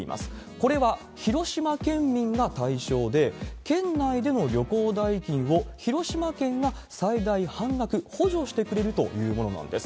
これは広島県民が対象で、県内での旅行代金を広島県が最大半額補助してくれるというものなんです。